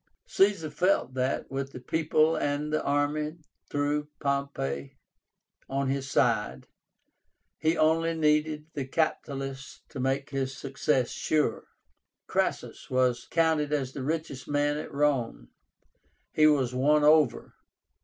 Caesar felt that, with the people and the army through Pompey on his side, he only needed the capitalists to make his success sure. CRASSUS was counted as the richest man at Rome. He was won over.